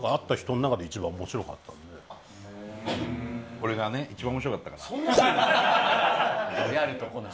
俺がね一番面白かったから。